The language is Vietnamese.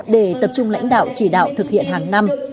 để tập trung lãnh đạo chỉ đạo thực hiện hàng năm